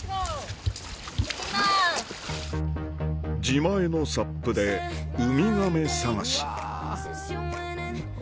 自前のサップでウミガメ探し